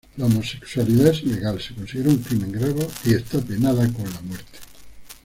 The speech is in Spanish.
La homosexualidad es ilegal, se considera un crimen grave y está penada con muerte.